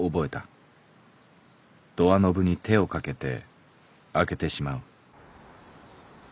ドア・ノブに手をかけて開けてしまう」。